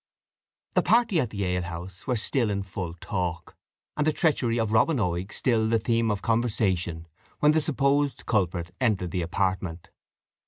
The party at the alehouse were still in full talk, and the treachery of Robin Oig still the theme of conversation, when the supposed culprit entered the apartment.